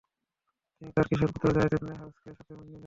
তিনি তার কিশোর পুত্র যায়েদ ইবনে হারেছাকে সাথে নিলেন।